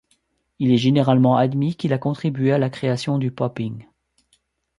Il est généralement admis qu'il a contribué à la création du popping.